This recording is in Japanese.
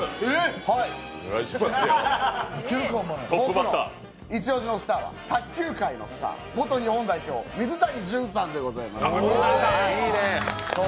僕のイチオシのスターは卓球界のスター元日本代表、水谷隼さんです。